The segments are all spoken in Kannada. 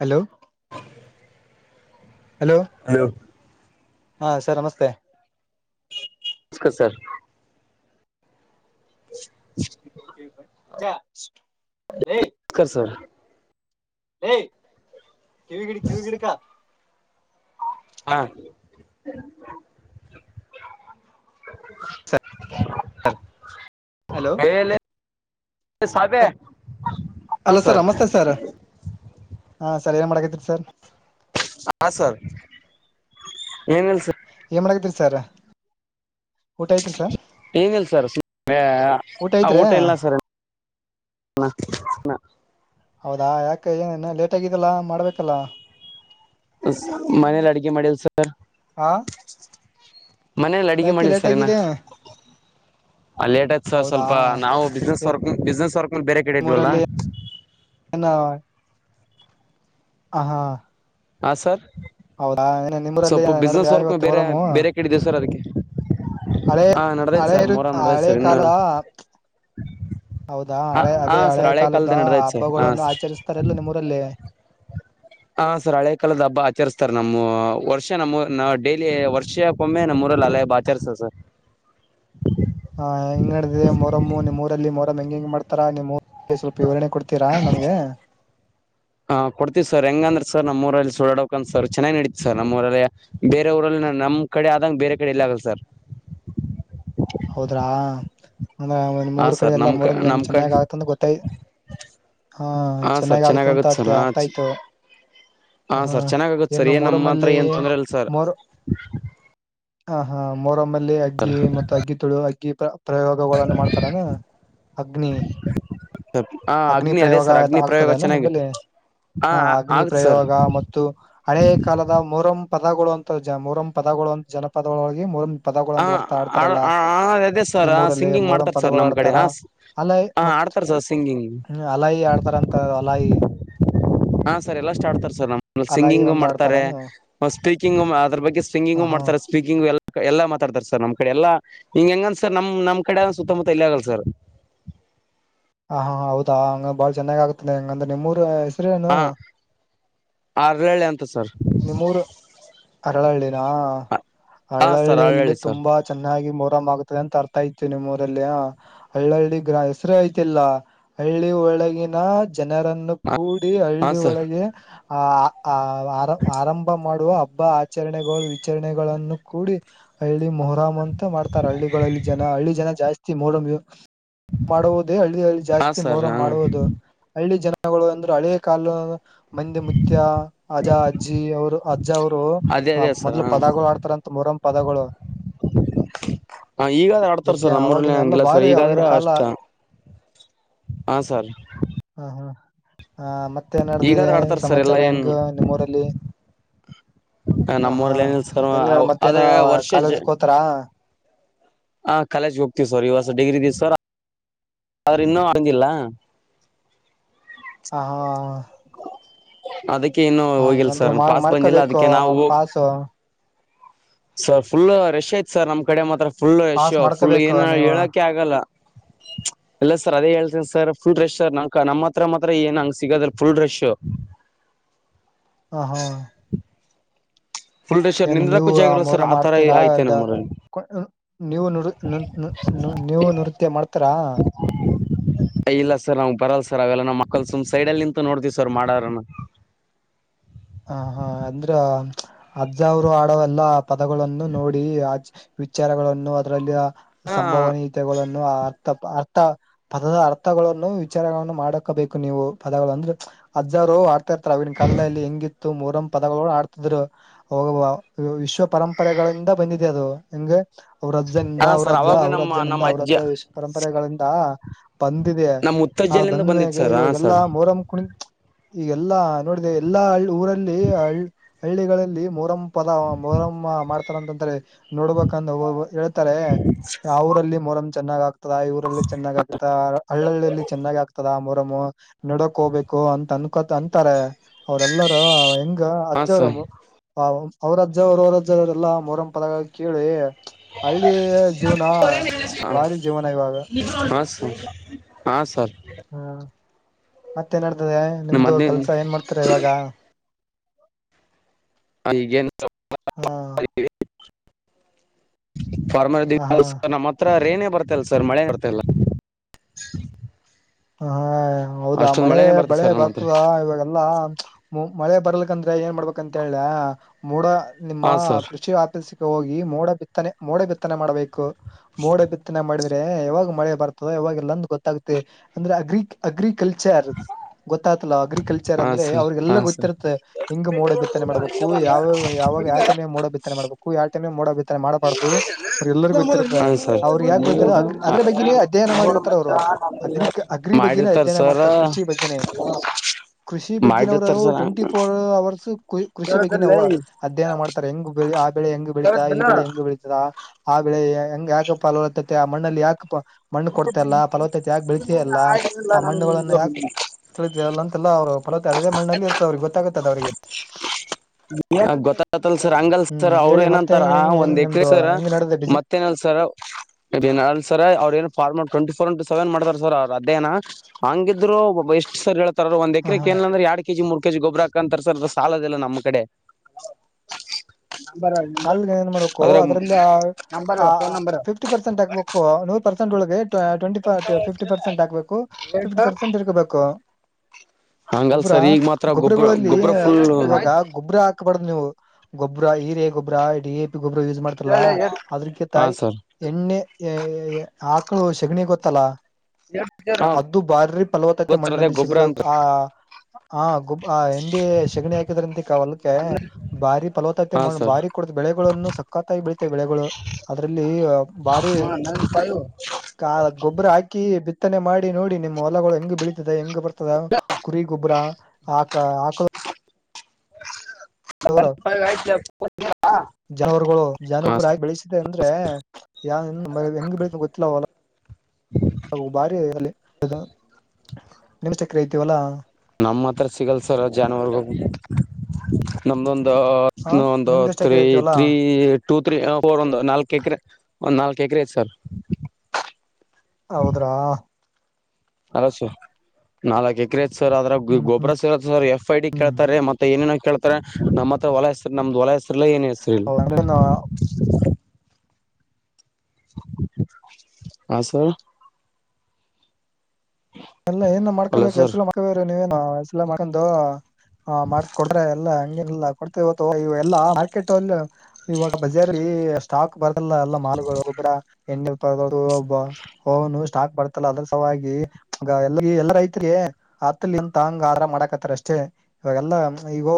ಹಲೋ [inaudible] ಹಲೋ ಹಾ ಸರ್ ನಮಸ್ತೆ. ನಮಸ್ಕಾರ ಸರ್ [inaudible] ಜಾ [unintelligible] ಸರ್. ಎ ಕಿವೀಗ್ ಹಿಡಿ ಕಿವೀಗ್ ಹಿಡ್ಕಾ. ಹಾ ಹಲೋ ಹೇಳಿ ಹಾ ಸರ್. ಹಾ ಸರ್ ಏನ್ ಮಾಡಾಕತ್ತಿರಿ ಸರ್. ಹಾ ಸರ್. ಏನಿಲ್ ಸರ್. ಸರ ಏನಿಲ್ ಸರ್ ಸು ಆ ಊಟ ಇಲ್ಲ ಸರ್ ಇನ್ನ ಹೌದಾ ಯಾಕ ಏನ ಲೇಟ್ ಆಗಿದ್ದಲ್ಲಾ ಮಾಡ್ಬೇಕಲ್ಲ. ಮನೇಲಿ ಅಡುಗೆ ಮಾಡಿಲ್ ಸರ್. ಹಾ ಮನೇಲಿ ಅಡಿಗಿ ಯಾಕೆ ಮಾಡ್ಲಿಲ್ಲ ಲೇಟ್ ಸರ್ ಇನ್ನ. ಆಗಿದೆ ಅ ಲೇಟ್ ಆಯ್ತ್ ಸರ್ ಹೌದಾ ಸ್ವಲ್ಪ ನಾವು ಬಿಸ್ನೆಸ್ [unintelligible] ಬಿಸ್ನೆಸ್ವರ್ಕ್. ನ್ ಬೇರೆ ಕಡೆ ಇದ್ವಲ್ಲ. ನಿಮ್ಮೂರಲ್ಲಿ ಏನ ಹ ಹಾ ಹಾ ಸರ್. ಹೌದಾ ಏನು ನಿಮ್ಮರಲ್ಲಿ ಸ್ವಲ್ಪ ಬಿಸ್ನೆಸ್ ನಡದ ವರ್ಕ್ ಮೇಲೆ ಇವತ್ತು ಬೇರೆ ಮೊಹರಮ್ಮು. ಬೇರೆ ಕಡೆ ಇದೀವಿ ಸರ್ ಅದಕ್ಕೆ ಹಳೆ ಹಾ ನಡ್ದೈತೆ ಹಳೆ ಸರ್ ಇರು ಮೊರ ನಡ್ದೈತೆ ಹಳೆ ಸರ್ ಇನ್ನು ಕಾಲ ಹೌದಾ ಹಾ ಹಳೆ ಹಾ ಅದೇ ಹಳೆ ಸರ್ ಕಾಲದ ನಡ್ದೈತೆ ಸರ್ ಹಾ ಹಬ್ಬಗಳನ್ನು ಸರ್ ಆಚರಿಸ್ತಾರಲ್ಲ ನಿಮ್ಮೂರಲ್ಲಿ ಹಾ ಸರ್ ಹಳೆ ಕಾಲದ್ ಹಬ್ಬ ಆಚರಿಸ್ತಾರೆ ನಮ್ಮು ವರ್ಷ ನಮ್ಮೂರ್ ಡೈಲಿ ವರ್ಷಕ್ಕೊಮ್ಮೆ ನಮ್ಮೂರಲ್ಲಿ ಆಲಿ ಹಬ್ಬ ಆಚರಿಸ್ತಾರ ಸರ್. ಹಾ ಹೆಂಗ್ ನಡದಿದೆ ಮೊರಮ್ಮು ನಿಮ್ಮೂರಲ್ಲಿ ಮೊರ್ಂ ಹೆಂಗ ಹೆಂಗ ಮಾಡ್ತಾರ ನಿಮ್ಮೂರ್ ಸ್ವಲ್ಪ ವಿವರಣೆ ಕೊಡ್ತೀರಾ ನಮ್ಗೆ ಹಾ ಕೊಡ್ತೀವಿ ಸರ್ ಹೆಂಗಂದ್ರೆ ಸರ್ ನಮ್ಮೂರು- ಊರ್ಲ್ಲಿ ಸೋಡೌಕಂತ್ ಸರ್ ಚೆನ್ನಾಗ್ ನಡತಿ ಸರ್ ನಮ್ಮೂರಲ್ಲಿ ಬೇರೆ ಊರಲ್ಲಿ ನಮ್ಕಡೆ ಆದಂಗೆ ಬೇರೆ ಕಡೆ ಎಲ್ಲಾಗಲ್ಲ ಸರ್. ಹೌದ್ರಾ ಅಂದ್ರ ಹಾ ನಿಮ್ಮೂರ್ ಕಡೆ ಸರ್ ಎಲ್ಲ ನಮ್ ಕ ಮೊರಮ್ ಜನ ನಮ್ ಕಡೆ ಚೆನ್ನಾಗ್ ಆತ್ ಅಂತ ಗೊತ್ತಾಯ್ ಹ ಹಾ ಸರ್ ಚೆನ್ನಾಗ ಆಗ್ತದಂತ ಚೆನ್ನಾಗಾಗತ್ ಸರ್ ಅ ಹಾ ಅರ್ಥಯ್ತು ಹಾ ಹ ಸರ್ ಚೆನ್ನಾಗಾಗತ್ ಸರ್ ಏನ್ನು ಏನ್ ನಮ್ಮ ಹತ್ರ ಮೊರಮಲ್ಲಿ ಏನ್ ತೊಂದ್ರೆ ಇಲ್ಲ ಸರ್ ಮೊರಂ ಹಾ ಹಾ ಮೋರಮ್ಮ ಲೆ ಅಗ್ಗಿ ಮ ಅಕ್ಕಿ ತೊಳಯುವಾಗ ಅಕ್ಕಿ ಪ್ರಯೋಗಗಳನ್ನು ಮಾಡ್ತಾರನಾ ಅಗ್ನಿ ಹ ಅಗ್ನಿ ಅದೇ ಪ್ರಯೋಗ ಸರ್ ಆತ ಅಗ್ನಿ ಪ್ರಯೋಗ ಆಗ್ತದನಾ ಚೆನ್ನಾಗಿ ನಿಂಬಲ್ಲಿ ಹ ಅಗ್ನಿ ಆಗತ್ ಸರ್ ಪ್ರಯೋಗ ಮತ್ತು ಹಳೇ ಕಾಲದ ಮೊರಂ ಪದಗಳು ಅಂತ ಜ ಮೊರಂ ಪದಗಳು ಅಂತ ಜನಪದಗಳೊಳಗೆ ಮೊರಂ ಪದಗಳೊಂದ್ ಬರ್ತಾ ಹಾಡು. ಆ ಅದೇ ಸರ್ ಸಿಂಗಿಂಗ್ ಮೊರಂ ಮಾಡ್ತಾರೆ ಸರ್ ಪದಗಳು ನಮ್ಮ ಕಡೆ ಆಡ್ತಾರ ಹ ಅಲಾಯಿ ಹಾಂ ಮತ್ ಆಡ್ತಾರೆ ಸರ್ ಸಿಂಗಿಂಗ್. ಅಲಾಯಿ ಆಡ್ತಾರಂತ ಅಲಾಯಿ ಹಾ ಸರ್ ಎಲ್ಲಾ ಸ್ಟಾರ್ ತರ್ಸಾರೆ ಸರ್ ನಮ್ಮ ಅಲಾಯಿ ಸಿಂಗಿಂಗು ಒಂದ್ ಮಾಡ್ತಾರೆ ಆಡ್ತಾರನು ಸ್ಪೀಕಿಂಗು ಮಾ ಅದರ ಬಗ್ಗೆ ಸ್ಪಿಂಗಿಂಗ್ ಹ ಹಾ ಮಾಡ್ತಾರೆ ಸ್ಪೀಕಿಂಗು ಎಲ್ಲ ಎಲ್ಲ ಮಾತಾಡ್ತಾರೆ ಸರ್ ನಮಗೆ ಕಡೆ ಎಲ್ಲಾ ಹಂಗ ಹೆಂಗಂದಸರ್ ನಮ್ ನಮ್ ಕಡೆ ಸುತ್ತಮುತ್ತ ಇಲ್ಲಿ ಆಗಲ್ ಸರ್. ಹ ಹಾ ಹೌದಾ ಹಂಗ ಬಾಳ ಚೆನ್ನಾಗ್ ಆಗ್ತದೆ ಹಂಗಂದ್ರ ನಿಮ್ಮೂರು. ರನು. ಆರಳಳ್ಳಿ ಅಂತ ಸರ್. ನಿಮ್ಮೂರು ಅರಳಳ್ಳಿ. ಯಾವ ಹಾ ಸರ್ ಅರಳಳ್ಳಿಯಲ್ಲಿ ಅರಳ್ಳಿ ಸರ್ ತುಂಬಾ ಚೆನ್ನಾಗಿ. ಮರಾಮ್ ಆಗತ್ತದೆ ಅಂತ ಅರ್ಥ ಐತಿ ನಿಮ್ಮ ಊರಲ್ಲಿ ಹಳ್ಳಳ್ಳಿ ಗ್ರ ಹೆಸರು ಐತಲ್ಲ ಹಳ್ಳಿ ಒಳಗಿನ. ಜನರನ್ನು ಕೂಡಿ ಹಾ ಹಳ್ಳಿ ಸರ್ ಒಳಗೆ. ಆ ಆ ವಾರ. ಆರಂಭ ಮಾಡುವ ಅಬ್ಬ ಆಚರಣೆಗಳು ವಿಚರಣೆಗಳನ್ನು ಕೂಡಿ ಹಳ್ಳಿ ಮೊಹರಂ ಅಂತ ಮಾಡ್ತಾರೆ ಹಳ್ಳಿಗಳಲ್ಲಿ ಜನ ಹಳ್ಳಿ ಜನ ಜಾಸ್ತಿ ಮೊರುಮ್ ಯು. ಮಾಡುವುದೇ ಹಳ್ಳಿಯಲ್ಲಿ ಹಾ ಜಾಸ್ತಿ ಸರ್ ಮೌರ ಹಾ ಮಾಡುವುದು ಹಳ್ಳಿ ಜನ. ಗಳು ಅಂದ್ರೆ ಹಳೆ ಕಾಲದ. ಮಂದಿ ಮುತ್ಯ ಅಜಾದ್. ಅಜ್ಜಿ ಅವರು ಅಜ್ಜ ಅವರು ಅದೇ ಅ ಅದೇ ಸರ್ ಮೊದ್ಲ ಹಾ ಪದಗಳು ಆಡ್ತಾರಂತ ಮೊರಮ್ ಪದಗಳು ಹ ಈಗಾದ್ರೆ ಆಡ್ತಾರ ಜಗ್ಯ ಸರ್ ನಮ್ಮೂರಲ್ಲಿ ಅವಾಗಿನ ಎಲ್ಲ ಹಂಗಿಲ್ಲ ಸರ್ ಬಾದೆ ಅವಾಗಿನ ಈಗಾದ್ರೆ ಕಾಲ ಅಷ್ಟ ಹಾ ಸರ್ ಹ ಹ. ಹ ಮತ್ತೆ ಏನ್ ನಡೆದಿದೆ ಈಗಾದ್ರೆ ಆಡ್ತಾರ ಸರ್ ಸಮಾಚಾರ ಎಲ್ಲಾ ಹೆಂಗ ನಿಮ್ಮೂಊರಲ್ಲಿ. ಅ ನಮ್ಮೂರಲ್ ಏನಿಲ್ಲ ಸರ್ ಹೆಂಗ್ ನಡ್ ಮತ್ತೇನ ಆದ್ರೆ ವರ್ಷ. ಕಾಲೇಜ್ಕ್ ಹೋತಾರ ಹ ಕಾಲೇಜ್ಗೆ ಹೋಗ್ತೀವಿ ಸರ್ ಇವರ್ಸ ಡಿಗ್ರಿ ಇದಿವ್ ಸರ್ ಆದ್ರ ಇನ್ನೂ [unintelligible] ಹ ಹಾ. ಅದಕ್. ತಿ ನು ಹೋಗಿಲ್ಲ ಹಂಗಂದ್ರ ಸರ್ ಮಾಡ್ ಪಾಸ್ ಬಂದಿಲ್ಲ ಮಾಡ್ಕೋಬೇಕು ಅದಕ್ಕೆ ನಾವು. ಪಾಸ್ ಸರ್ ಫುಲ್ ರೆಶ್ ಆಯ್ತ್ ಸರ್ ನಮ್ ಕಡೆ ಮಾತ್ರ. ಫುಲ್ಲು ಪಾಸ್ ಯಶು ಫುಲ್ ಮಾಡ್ಕೋಬೇಕು ಏನ ನೀವು ಹೇಳಕೆ ಆಗಲ್ಲ ಚ ಇಲ್ಲ ಸರ್ ಅದೇ ಹೇಳ್ತೀನ ಸರ್. ಫುಲ್ ರೆಶ್ ಸರ್ ನ ನಮ್ಮ ಹತ್ರ ಮಾತ್ರ ಏನ್ ಹಂಗ ಸಿಗದ್ರ ಫುಲ್ ರೆಶ್. ಹಾ ಹಾ. ಫುಲ್ ರಶ್ ಏನು ನೀವು ನಿಂದ್ರಕ್ಕೂ ಜಾಗ ಇಲ್ಲ ಸರ್ ಮೊರಮ್ ಆತರ ಮಾಡ್ತೀರಾ ಐತೆ ಡ ನಮ್ಮೂರಲ್ಲಿ ನೀವು ನ ನ ನ ನೀವು ನೃತ್ಯ ಮಾಡ್ತರಾ. ಕಲ್ ಸುಮ್ ಸೈಡಲ್ ನಿಂತ ನೋಡ್ತಿವಿ ಸರ್ ಮಾಡಾರನ್ನ. ಹ ಹಾ ಅಂದ್ರ ಅಜ್ಜ ಅವರು ಆಡೋ ಎಲ್ಲಾ ಪದಗಳನ್ನು ನೋಡಿ ಅಜ್ ವಿಚಾರಗಳನ್ನು ಅದ್ರಲ್ಲಿ. ಹಾ ಸಂಭವನೀತೆಗೊಲನ್. ಅರ್ಥ ಅರ್ಥ ಪದದ ಅರ್ಥಗಳನ್ನು ವಿಚಾರಗಳನ್ನು ಮಾಡಕಬೇಕು ನೀವು ಪದಗಳು ಅಂದ್ರೆ ಅಜ್ಜರು ಆಡ್ತಾ ಇರ್ತಾರೆ ಅವಿನ ಕಾಲಲ್ಲಿ ಹೆಂಗಿ ತ್ತು ಮೂರಮ್ ಪದಗಳು ಆಡ್ತಿದ್ರು ಅವ ವಿಶ್ವ ಪರಂಪರೆಗಳಿಂದ ಬಂದಿದೆ ಅದು ಹಂಗೆ. ಅವ್ರಜ್ಜನಿಂದ ಹಾ ಅವ್ರ ಸರ್ ರಜ್ಜ ಅವಾಗ ನಮ್ಮ ಅವ್ರಜ್ಜನಿಂದ ನಮ್ಮ ಅವ್ರ ಅಜ್ಜ ರಜ್ಜ ವಿಶ್ವ ಪರಂಪರೆಗಳಿಂದ ಬಂದಿದೆ ನಮ್ ಆ ಮುತ್ತಜ್ಜಲ್ಲಿಂದ ಬಂದ್ಮ್ಯಾ ಬಂದಿತ್ ಗೆ ಸರ್ ಹಾ ಇವಾಗಲ್ಲಾ ಸರ್ ಮೋರಂ ಕುಣಿ. ಈಗೆಲ್ಲಾ ನೋಡಿದೆ ಎಲ್ಲಾ ಹಳ್. ಊರಲ್ಲಿ ಅಳ್ ಹಳ್ಳಿಗಳಲ್ಲಿ ಮೊರಂ. ಪದ ಮೋರಮ್ ಮಾ ಮಾಡ್. ತದಂದಂತರೆ. ನೋಡ್ಬೇಕಂದ ವ ವ ಹೇಳ್ತಾರೆ ಅವರಲ್ಲಿ ಮೊರಂ. ಚೆನ್ನಾಗ. ತದ ಇವರಲ್ಲಿ ಚೆನ್ನಾಗ ಆಗ್ತ ಅಳ್ ಅಳ್ ಅಳ್ಳಿಲಿ ಚೆನ್ನಾಗ ಆಗ್ತದ ಮೋರ್. ಡಮು ನೋಡಕ್ ಹೋಗಬೇಕು ಅಂತ ಅನ್ಕೋತ ಅಂತಾರೆ. ಅವ್ರೆಲ್ಲ. ಆ ಹೆಂಗ ಹಾ ಅಜ್ಜ ಸರ್ ಅವರಾಮ. ಅವ್ರ್ ಅವ್ರಜ್ಜ ಅವ್ರರ ಅರಜ್ಜ ರೆಲ್ಲ ಮೊರಂ ಪದಗಳ್ ಕೇಳಿ. ಹಳ್ಳಿಯ ಜೀವನ ಭಾರಿ ಜೀವನ ಇವಾಗ. ಹಾ ಹಾ ಸರ್. ಹಾ ಮತ್ತೇನಡ್. ಡ್ದೆ ನಿಮ್ದು ನಮ್ಮದ್ನೇ ಕೆಲ್ಸ ಏನ್ ಮಾಡ್ತಿರ ಇವಾಗ. [inaudible] [unintelligible] [inaudible] ಹಾ ಫಾರ್ಮ ಡಿ ಹ ಹಾ ಸ್ ನಮ್ಮ ಹತ್ರ ರೇನೇ ಬರ್ ತಿಲ್ ಸರ್ ಮಳೆ ಬರ್ತಿಲ್ಲ. ಹ ಹಾ ಹೌದಾ ಮಳೆ ಬಳೆ ಸರ್ ನಮ್ಮ ಹತ್ರ ಬರ್ತದ ಇವಾಗೆಲ್ಲಾ ಚ ಮಳೆ ಬರ್ಲಿಕ್ಕ. ಯಾಕಂದ್ರೆ ಏನ್ ಮಾಡ್ಬೇಕಂತ ಹೇಳ್ಲ್ಯಾ ಮೋಡ. ಹಾ ನಿಮ್ಮವ ಸರ್ ಕೃಷಿ ಆಫೀಸ್. ಹೋಗಿ ಮೋಡ ಬಿತ್ತನೆ ಮೋಡ ಬಿತ್ತನೆ ಮಾಡಬೇಕು. ಕು ಮೋಡ ಬಿತ್ತನೆ ಮಾಡಿದ. ದೇ ಯಾವಾಗ ಮಳೆ ಬರ್ತದೆ ಯಾವಾಗ ಇಲ್ಲಂತ ಗೊತ್ತಾಗುತ್ತೆ. ಅಂದ್ರೆ ಅಗ್ರಿಕ್ ಅಗ್ರಿಕಲ್ಚರ್ ಗೊತ್ತಾತ್ಲ ಅಗ್ರಿ. ಕಲ್ಚರ್ ಹಾ ಅಂದ್ರೆ ಸರ್ ಹಾ ಅವ್ರಿಗೆಲ್ಲ ಸರ್ ಗೊತ್ತಿರುತ್ತೆ ಹೆಂಗ ಮೋಡ ಬಿತ್ತನೆ ಮಾಡ್ಬೇಕು ಯಾವ್ಯಾವ್ ಯಾವಾಗ ಯಾ ಟೈಮೇಗ್ ಮೋಡ ಬಿತ್ತನೆ ಮಾಡ್ಬೇಕ್. ಕು ಯಾವ್ ಟೈಮ್ನೆಗ್ ಮೋಡ ಬಿತ್ತನೆ ಮಾಡ್ಬಾಡ್. ದು ಅವರು ಎಲ್ಲರಿಗ್ ಗೊತ್ತಿರುತ್ತೆ ಹಾ ಸರ್ ಅವ್ರು ಯಾಕ್ ಓದ್ಯಾರ ಅಗ್ರಿ ಅದ್ರ ಬಗ್ಗೆನೇ ಅಧ್ಯಯನ ನೋಡ ಮಾಡಿರ್ತಾರೆ ಮಚ್ಚ ಅವ್ರು ನಾನು ಅಗ್ರಿ. ಹೇಳ್ತೀನಿ ಅಗ್ರಿ ಬಗ್ಗೇನೆ ಮಾಡಿರ್ತಾರ ಅಧ್ಯಯನ ಸರ್ ಮಾಡ್ತಾರೆ ಕೃಷಿ ಬಗ್ಗೇನೆ ಕೃಷಿ ಬಗ್ಗೆನವರು ಮಾಡಿರ್ತಾರ ಸರ್ ಟ್ವೆಂಟಿ ಫೋರ್ ಅವರ್ಸ. [unintelligible] ಕುಯ್ ಕೃಷಿ ಬಗ್ಗೆನೇ ಕೇಳದಲ್ಲ ಅವ ಅಧ್ಯಯನ ಮಾಡ್ತಾರೆ ಹೆಂಗ ಬೆಳಿ ಆ ಬೆಳೆ ಹೆಂಗ ಬೆಳೀತಾ ಈ ಕೇಳದಲ್ಲ ಬೆಳೆ ಹೆಂಗ್ ಬೆಳೀತದಾ ಆ ಬೆಳೆ. ಹಂಗೆ ಯಕ ಪಾಲ್ವುವತ್ತತೆ ಆ ಮಣ್ಣಲ್ಲಿ ಯಾಕ್ ಪ. ಮಣ್ ಕೊಡ್ತ ಇಲ್ಲ ಫಲ್ವತತೆ ಯಾಕ್ ಬೆಳಿ. ಇಲ್ಲ ಆಗಿಲ್ಲ ಆ ಮಣ್ಣುಗಳನ್ನ ಯಾಕ ನಂದು ತಿಳಿತಿದೆಲ್ಲ ಅಂತಲ. ಫಲ್ವತೆ ಅದೇದ್ ಮಣ್ಣಲ್ಲಿ ಇರ್ತವ್ರಿಗೆ ಗೊತ್ತಾಗತದ ಅವ್ರಿಗೆ. ತಲ್ ಸರ್ ಹ್ಮ್ ಹಂಗಲ್ಸರ್ ಅವ್ರು ಹೇಳಿ ಮತ್ತೆ ಏನಂತಾರ ಹೆಂಗ ಹೆಂಗ ಏನ್ ಒಂದ್ ಎಕ್ರೆ ನಿಮ್ದು ಸರ್ ಹೆಂಗ್ ನಡೆದ ಬಿಸಿ ಮತ್ತೇನಲ್ಸರ್ಸರ್ ಇರೆನ್ ಅಲ್ ಸರ್ ಅವ್ರ ಏನ್. Farmer twenty four into seven ಮಾಡ್ತಾರೆ ಸರ್ ಅವ್ರು ಅಧ್ಯಯನ ಹಂಗಿದ್ರು ಬ ಎಷ್ಟು ಸರ್ ಹೇಳ ಸರ್‌ ಅದು ಒಂದ್ ಹ ಹಾ ಎಕ್ರೆಕ್ಕೇನಿಲ್ಲಂದ್ರೆ ಯಾ ಕೆಜಿ ಮೂರ್ ಕೆಜಿ ಗೊಬ್ಬ್ರ ಹಾಕಂತರ್ಸರ್ ಸಾಲದಿಲ್ಲ ನಮ್ಮ ಕಡೆ. ನಂಬರ್ ಸಾಲ ಏನ್ ಮಾಡ್ಬೇಕು ನಂಬರ್ ಅದ್ರಲ್ಲಿ ಆ ನಂಬರ್ ಫೋನ್ ಆ ನಂಬರ್ ಫಿಫ್ಟಿ ಪರ್ಸೆಂಟ್ ಹಾಕ್ಬೇಕು ನು ಪರ್ಸೆಟ್ ಒಳಗೆ. ಟ್ವೆಂಟಿ ಫ ಫಿಫ್ಟಿ ಪರ್ಸೆಂಟ ಹಾಕ್ಬೇಕು ಫಿಫ್ಟಿ ಪರ್ಸೆಂಟ್ ಇರ್ಗಬೇಕು. ಹಂಗಲ್ ಗೊಬ್ಬ್ರ ಸರ್ ಈಗ ಮಾತ್ರ ಗೊಬ್ಬ್ರ ಗೊಬ್ಬ್ರಗಳಲ್ಲಿ ಗೊಬ್ಬ್ರ ಫುಲ್ ಇವಾಗ ಗೊಬ್ಬ್ರ ಹಾಕ್ಬಾರ್ದ ನೀವು ಗೊಬ್ಬ್ರ ಈ. ಎ ಗೊಬ್ರಾ ಡಿ ಎ. ಗೊಬ್ಬರ ಯೂಸ್ ಮಾಡ್ತಲ್ಲಾ ಅದ್ರಕ್ಕೆ ಹಾ ತಾಯಿ ಸರ್ ಎಣ್ಣೆ. ಏ ಏ ಏ ಆಕ್ಳು ಶಗಣಿ ಗೊತ್ತಲ್ಲಾ. ಹ ಅದ್ದು ಭಾರಿ ಫಲವತ್ತತೆೆ ಗೊತ್ತರದೇ ಮಣ್ಣಲ್ಲಿ ಗೊಬ್ಬ್ರ ಸಿಗದ ಅಂತ ಆ ಆ ಗುಬ್ ಆ ಹೆಂಡಿ ಶೆಗಣಿ ಹಾಕಿದ್ರಂತಿಕಾ ಹೊಲಕ್ಕೆ ಬಾರಿ ಫಲವತ್ತ. ಹಾ ಸರ್ ಬಾರಿ ಕುಡತ ಬೆಳೆಗಳನ್ನು ಸಕ್ಕತ್ತಾಗಿ ಬೆಳಿತವೆ ಬೆಳೆಗಳು ಅದ್ರಲ್ಲಿ ಬಾರಿ ಹಾ ನನ್ ಫೈವ್ ಕ ಗೊಬ್ಬರ ಹಾಕಿ. ಬಿತ್ತನೆ ಮಾಡಿ ನೋಡಿ ನಿಮ್ಮ್ ಹೊಲಗಳು ಹೆಂಗ್ ಬಳತಿದೆ ಹೆಂಗ್ ಬರ್ತ. [unintelligible] ಕುರಿ ಗೊಬ್ಬರ ಆಕ ಆಕಳ. ಫೈವ್ ಆಯ್ತು ಜಾನವರುಗಳು ಜಾನ ಹಾ ಗೊಬ್ಬರ ಹಾಕಿ ಬೆಳಸಿದೆ ಅಂದ್ರೆ ಯ ಹೆಂಗ ಬೆಳೀತಾವ್ ಗೊತ್ತಿಲ್ಲ ಆಹೊಲ ಬಾರಿ ನಿಮ್. ತ್ತೆವಲ. ನಮ್ಮ ಹತ್ರ ಸಿಗಲ್ ಸರ್ ಜಾನುವಾರುಗಳು ನಮ್ದೊಂದು. ಹ [unintelligible] ಒಂದು ನಿಮ್ದ ಎಷ್ಟ್ ತ್ರೀ ಎಕರೆ ಐತಿ ಹೊಲ ತ್ರೀ ಟೂ ತ್ರೀ ಫೋರ್ ಒಂದು ನಾಲ್ಕ ಎಕರೆ ಒಂದ್ ನಾಲ್ಕ. ಕೇಕ್ರೆ ಸರ್. ಹೌದ್ರಾ ಅಲಸುಯ್ ನಾಲ್ಕ ಎಕರೆ ಸರ್ ಅದ್ರ ಗೋ ಹ್ಮ್ ಹ್ಮ್ ಗೊಬ್ರ ಸರ್ ಎಫ್ ಐ ಡಿ ಹ್ಮ್ ಕೇಳ್ತಾರೆ ಮತ್ತೆ ಏನೇನು ಕೇಳ್ತಾರೆ ನಮ್ಮ ಹತ್ರ ಹೊಲ ಹೆಸರ್ ನಮ್ದ. ಹೊಲ ಹೆಸ್ರಲ್ ಏನ ಹೆಸ್ರೇಲ್. ಹೌದಂದ್ರೇನು [inaudible] ಹಾ ಸರ್ ಎಲ್ಲ ಏನ್ ಅಲ್ಲ ಮಾಡ್ಕಬೇಕ್ ಸರ್ ಹೆಸ್ರು [unintelligible] ನೀವೇನ್. ಹ ಹೆಸಲ ಮಾಡ್ಕಂಡು ಹಾ ಮಾಡ್ಸ್ ಕೊಟ್ರೆ ಎಲ್ಲಾ ಹಂಗೆ. ಇಲ್ಲ ಕೊಡ್ತೇವತ್ತು ಎಲ್ಲಾ ಮಾರ್ಕೆಟ್ ಅಲ್ಲಿ ಇವಾಗ ಬಜಾರಿಲಿ ಸ್ಟಾಕ್ ಬರ್. ಎಲ್ಲ ಎಲ್ಲ ಮಾಲುಗಳು ಒಬ್ರ. [unintelligible] ಸ್ಟಾಕ್ ಬರ್ತಲ್ಲ ಆದ್ರೂ ಸಲ್ವಾಗಿ. ಈಗ ಎಲ್ಲ ಎಲ್ಲ ರೈತರಿಗೆ ಆತ್ತಲ್ಲಿ ಅಂತ ಹಂಗ ಆರಾಮ ಮಾಡಕತ್ತಾರ ಅಷ್ಟೇ ಇವಾಗೆಲ್ಲಾ ಈಒ.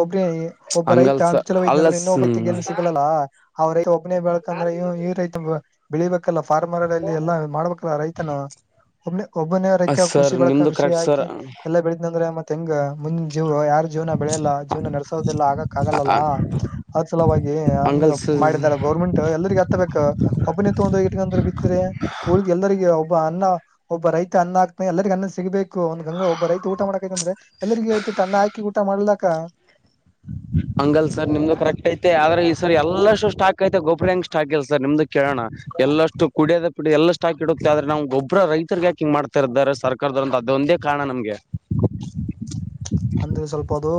ಒಬ್ಬ ರೈತ ಹಂಗಲ್ ಸರ್ ಅನುಚಲ ವೈದ್ಯ ಅಲ್ಲ ಅಂದ್ರೆ ಇನ್ನೊಬ್ಬ ರೈತ ಏನು ಸಿಕ್ಕಲಲ್ಲಾ. ಅವ್ರೇಟ್ ಹೋಗ್. ಪುನನೆ ಬೆಳ್ ಕಂಡ್ರೆ ಅಂದ್ರ ಇವ ಈ ರೈತನ್ ಗುವೇ. ಬೆಳಿಬೇಕಲ್ಲ ಫಾರ್ಮರ್ಲ್ಲಿ ಎಲ್ಲಾ ಮಾಡ್ಬೇಕಲ್ಲ ರೈತನು ಒ ಒಬ್ಬನೆ. ಮತ್ ಕೃಷಿ ಸರ್ ಬಳಕ ನಿಮ್ದು ಕೃಷಿ ಕರೆಕ್ಟ್ ಹಾಕಿ ಸರ್ ಎಲ್ಲಬೇಳಿದ್ಂದ್ರೆ ಮತ್. [unintelligible] ಜೀವ ಯಾರ ಜೀವನ ಬೆಳೆಯಲ್ಲ ಜೀವನ ನಡೆಸೋದಿಲ್ಲ ಆಗಕ್ ಆಗಲ್ಲ ಅಲ್ಲ ಅದು ಸಲುವಾಗಿ ಹಂಗ ಅಂಗಲ್ ಸರ್ ಮಾಡಿದಾರ ಗೌರ್ಮೆಂಟ್ ಎಲ್ಲರಿಗ ಹತ್ತಬೇಕಕ್ ಒಬ್ಬನ ತಗೊಂಡ್ ಹೋಗಿ ಇಟ್ಕಂಡ್ರ ಬಿತ್ತರಿ ಊ ಲಿದ್ ಎಲ್ಲರಿಗೆ. ಅನ್ನ ಒಬ್ಬ ರೈತ ಅನ್ನ ಹಾಕ್. ಎಲ್ಲರಿಗ್ ಅನ್ನನ್ಸಿಗ್ಬೇಕು ಒಂದ್ಂಗ ಒಬ್ಬ ರೈತ ಊಟ ಮಾಡಕೈತಂದ್ರೆ. ಎಲ್ಲರಿಗೆ ಒಂತಿಟು ಅನ್ನ ಹಾಕಿ ಊಟ್. ಊಟ ಮಾಡ್ಲಕ್ಕ ಹಂಗಲ್ ಸರ್ ನಿಮ್ದು ಕರೆಕ್ಟ್ ಐತೆ ಆದ್ರೆ ಈ ಸರ್ ಎಲ್ಲಷ್ಟು ಸ್ಟಾಕ್ ಐತೆ ಗೊಬ್ರ ಹೆಂಗ್ ಸ್ಟಾಕ್ ಇಲ್ಲ ಸರ್ ನಿಮ್ದು ಕೇಳೋಣ ಎಲ್ಲಷ್ಟು ಕುಡಿಯದ ಪಿಡ ಎಲ್ಲಾ ಸ್ಟಾಕ್ ಇಡುತ್ತೆ ಆದ್ರೆ ನಾ್ ಗೊಬ್ಬರ ರೈತರ್ ಯಾಕೆ ಹಿಂಗ ಮಾಡ್ತಾ ಇದರ್ರೆ ಸರ್ಕಾರದವರುಂತ ಅದೊಂದೇ ಕಾರಣ ನಮ್ಗೆ. ಅಂದ್ರೆ ಸ್ವಲ್ಪ ಅದು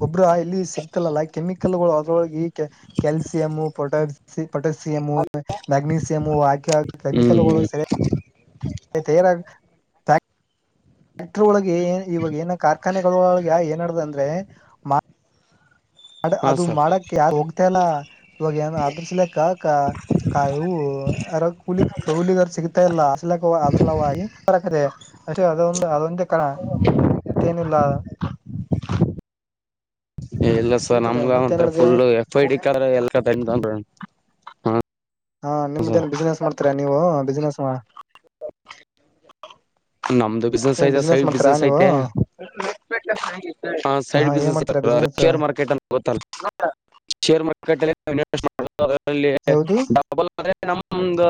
ಗೊಬ್ಬರ ಇಲ್ಲಿ ಸಿಗ್ತ. ಕೆಮಿಕಲ್ಗಳ್ ಅದ್ರಲೋಗೀ ಕ್ಯಾ ಕ್ಯಾಲ್ಸಿಯಂ ಫೋಟೊಸಿ ಫೋಟೊಸ್. ಮೆಸೇಯಂ ಮ್ಯಗ್ನೀಸಿಯಮು ಆಕೆ ಕೆಮಿಕಲ್ಗಳು ಹ್ಮ್ ಸರಿ. ತೇರಾಗ್ ಥ್ಯಾ ಮೆಟ್ರೋ ಒಳಗೆ ಇವಾಗ್ ಏನ್ ಆಗ್. ಕಾರ್ಖಾನೆಗಳೊಳಗೆ ಏನಡ್ದ ಅಂದ್ರೆ ಮಾ ಅದು ಹಾ ಅದು ಸರ್ ಮಾಡಕ ಯಾರ್ ಹೋಗ್ತ ಇಲ್ಲ ಇವಾಗ ಏನ ಅದ್ರ ಸಲಕ್ಕ ಕ ಕೈ ಇವು ಕೂಲಿಗರ್ ಸಿಗುತ್ತ. [unintelligible] ಅ ಅದೊಂದು ಅದೊಂದ ಕಣ ಮತ್ತೇನಿಲ್ಲ. ಇ ಇಲ್ಲ ಸ ಸಿಗ್ತದೆ ನಮ್ಗ ಒಂತ್ರರ ಮತ್ತೇನಡ್ದೆ full F I D colour L [unintelligible] ಹಾ ನಿಮ್ದ ಏನ್ ಬಿಸ್ನೆಸ್ ಮಾಡ್ತರಾ ನೀವು ಬಿಸ್ನೆಸ್. ಸ. ನಮ್ದು ಬಿಸ್ನೆಸ್ ಐತಾ ಸೈಡ್ ಮಾಡ್ತೀರಾ ಬಿಸ್ನೆಸ್ ನೀವು ಐತೆ ಹ ಸೈಡ್ ಹಾ ಏನ್ ಮಾಡ್ತೀರಾ [unintelligible] ಬಿಸ್ನೆಸ್ ಶೇರ್ ಮಾರ್ಕೆಟ್. ಗೊತ್ತ ಶೇರ್ ಮಾರ್ಕೆಟ್ಲ್ಲಿ [unintelligible] [unintelligible] ಯಾವ್ದು ಡಬಲ್ ಆದ್ರೆ ನಮ್ದ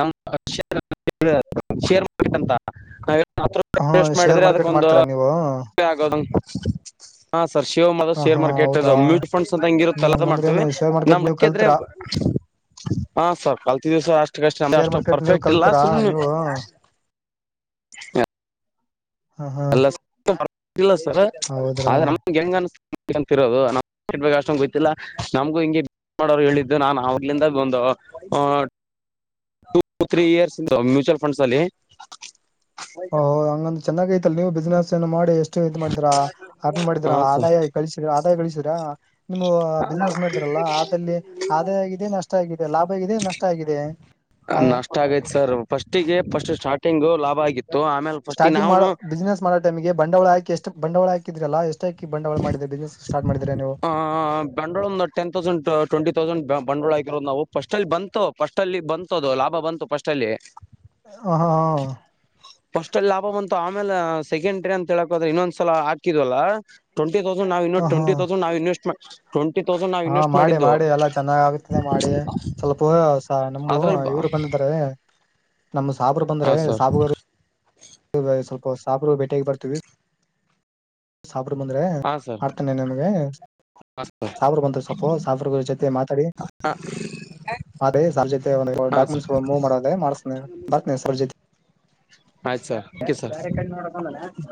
ನಮ್. [unintelligible] ಶೇರ್ ಮಾರ್ಕೆಟ್ ಅಂತ [unintelligible] [unintelligible] ಹ ವೇಸ್ಟ್ ಶೇರ್ ಮಾಡಿದ್ರೆ ಮಾರ್ಕೆಟ್ ಅದಕ್ಕೊಂದು ಮಾಡ್ತೀರಾ ನೀವು ಆಗದು. [inaudible] ಹಾ. ಸರ್ ಶೇರ್ ಮಾರ ಹ ಶೇರ್ ಹಾ ಮಾರ್ಕೆಟ್ದು ಹೌದಾ ಮ್ಯುಟ್ ಫಂಡ್ಸ ಅಂತ ಹಂಗಿರತ್ತಲ್ ನೀವ್ ಕೆಲಸ ಹಂಗಂದ್ರ ಏನ್ ಮಾಡ್ತವಿ ಶೇರ್ ಇನ್ನ ಮಾರ್ಕೆಟ್ ನೀವ್ ಮಿಕ್ಕಿದ್ರೆ ಕಲ್ತರಾ ಹ ಸಾರ್. ದಿವ್ಸ ಅಷ್ಟ ಕಷ್ಟ ಅಂದ್ರೆ ಶೇರ್ ಅಷ್ಟು ಮಾರ್ಕೆಟ್ ನೀವ್ ಪರ್ಫೆಕ್ಟ್ ಇಲ್ಲ ಕಲ್ತರಾ ಸುಮ್ನೆ. ನೀವು [unintelligible] ಹ ಹಾ [unintelligible] ಹೌದ್ರಾ ಆದ್ರ ನಮಗೆ ಹೆಂಗ ಅನ್ಸ. [unintelligible] ಅಷ್ಟೊಂದ್ ಗೊತ್ತಿಲ್ಲ ನಮ್ಗು ಹಿಂಗೆ ಮಾಡೋರು ಹೇಳಿದ್ದು ನಾನ್ ಅವಾಗಲಿಂದ ಒಂದು ಟು ತ್ರೀ ಇಯರ್ಸ್ ಇ ಮ್ಯೂಚುವಲ್ ಫಂಡ್ಸ್ ಅಲ್ಲಿ. ಒ ಹಂಗಂದ್ ಚೆನ್ನಾಗೈತಿ. ತ್ತಲಿ ನೀವು ಬಿಸ್ನೆಸ್ ಏನ ಮಾಡಿ. ಏಕೆ ಇದು ಮಾಡಿದ್ರ ಅರ್ನ್ ಮಾಡಿದ್ರ ಹಾ ಆದಾಯ ಕಳಿಸ್ರ ಆದಾಯ ಗಳಿಸಿರಾ. [inaudible] ಆದಾಯ ಆಗಿದೆ ನಷ್ಟ ಆಗಿದೆ ಲಾಭ ಆಗಿದೆ ನಷ್ಟ ಆಗಿದೆ ಹ ಆ ನಷ್ಟ ಆಗೈತ್ ಸರ್ ಫಸ್ಟಿಗೆ ಫಸ್ಟ್ ಸ್ಟಾರ್ಟಿಂಗು ಲಾಭ ಆಗಿತ್ತು. ಆಮೇಲೆ ಫಸ್ಟಿಗೆ ಸ್ಟಾರ್ಟಿಂಗ್ ಮಾಡೋ ನಾವು ಬಿಸ್ನೆಸ್ ಮಾಡೋ ಟೈಮ್ಗೆ. ಬಂಡವಾಳ ಹಾಕಿ ಎಷ್ಟು ಬಂಡವಾಳ ಆ ಮಾಡಿದ್ರಾ ನೀವು [inaudible] ಆ ಬಂಡವಾಳ ಒಂದ ಟೆನ್ ತೌಸಂಡ್ ಟ್ವೆಂಟಿ ತೌಸಂಡ್ ಬಾ ಬಂಡವಾಳ. ನಾವು ಫಸ್ಟ್ ಅಲ್ಲಿ ಬಂತು ಫಸ್ಟ್ ಅಲ್ಲಿ ಬಂತು ಅದು ಲಾಭ ಬಂತು ಫಸ್ಟ್ ಅಲ್ಲಿ. ಹ ಹಾ ಹಾ. ತ್ತ ಆಮೇಲೆ ಸೆಕೆಂಡ್ರಿ ಅಂತ ಹೇಳಕ್ ಹೋದ್ವಿ ಇನ್ನೊಂದ್ಸಲ ಹಾಕಿದ್ವಲ್ಲ. ಟೊಂಟ್. ಟ್ವೆಂಟಿ ಥೌಸಂಡ್ ನಾವ್ ಇನ್ನಾ ಹ ಹಾ ಟ್ವೆಂಟಿ ಥೌಸಂಡ್ ನಾವ್ ಇನ್ವೆಸ್ಟ್ ಮಾ ಟೊ ಹಾ ಮಾಡಿ ಮಾಡಿ ಎಲ್ಲಾ ಚೆನ್ನಾಗ್ ಆಗತಿದೆ ಮಾಡಿ ಸ್ವಲ್ಪ ಸ ನಮು ಅದ್ರಲ್ಲಿ ಇವ್ರು ಬಂದಿದ್ದಾರೆ ನಮ್ಮ ಸಾಬ್ರು ಬಂದ್ರೆ ಹಾ ಸರ್ ಸಾಬ್ರ ಸ್ವಲ್ಪ [unintelligible] ಸಾಬ್ರು ಭೇಟಿಯಾಗಿ ಬರ್ತೀವಿ. ಸಾಬ್ರು ಬಂದ್ರೆ ಹಾ ಸರ್ ಮಾಡ್ತಿನೆ ನಿಮ್ಗೆ ಹಾ ಸರ್ ಸಾಬ್ರು ಬಂದ ಸೊಪ್ಪ ಸಾಬ್ರ ಜೊತೆ ಮಾತಾಡಿ ಸಾರ್ ಜೊತೆ ಒ ಹಾ ಸರ್ ಡಾಕ್ಯುಮೆಂಟ್ಸ್ ಮೂವ್ ಮಾಡದದೆ ಮಾಡ್ಸ್ತಿನಿ ಇರು ಬರ್ ಸರ್ ಜೊತಿ. ಬ್ಯಾರೆ ಕಣ್ಣ ನೋಡಾ [unintelligible]